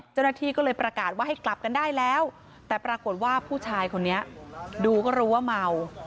เจ้าหน้าที่ก็เลยประกาศว่าให้กลับกันได้แล้วแต่ปรากฏว่าผู้ชายคนนี้ดูก็รู้ว่าเมา